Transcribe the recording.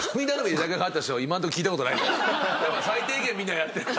最低限みんなやってるから。